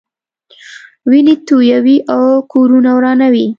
وینې تویوي او کورونه ورانوي.